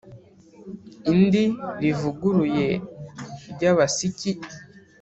idini rivuguruye ry’abasiki